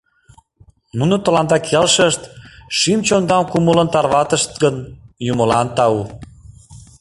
Нуно тыланда келшышт, шӱм-чондам кумылын тарватышт гын, — Юмылан тау!